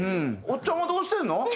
おっちゃんはどうしてるの？